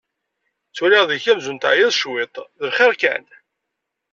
Ttwaliɣ deg-k amzun teɛyiḍ cwiṭ! D lxir kan?